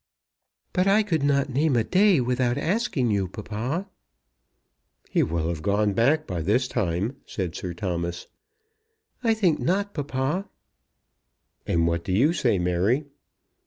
"But I could not name a day without asking you, papa." "He will have gone back by this time," said Sir Thomas. "I think not, papa." "And what do you say, Mary?"